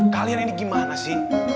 kalian ini gimana sih